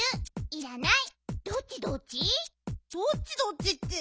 いらない！